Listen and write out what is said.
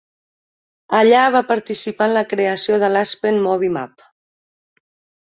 Allà va participar en la creació de l'Aspen Movie Map.